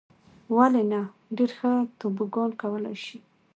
ولې نه. ډېر ښه توبوګان کولای شې.